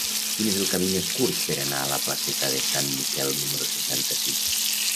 Quin és el camí més curt per anar a la placeta de Sant Miquel número seixanta-sis?